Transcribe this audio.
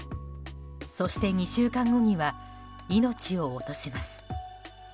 そして２週間後には命を落とします。